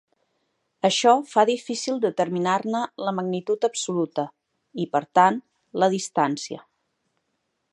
Això fa difícil determinar-ne la magnitud absoluta i, per tant, la distància.